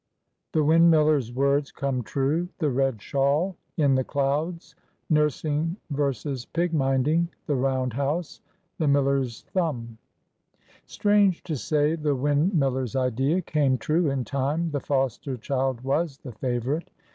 THE WINDMILLER'S WORDS COME TRUE.—THE RED SHAWL.—IN THE CLOUDS.—NURSING V. PIG MINDING.—THE ROUND HOUSE.—THE MILLER'S THUMB. STRANGE to say, the windmiller's idea came true in time,—the foster child was the favorite.